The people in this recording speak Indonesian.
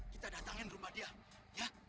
kita datangin rumah dia ya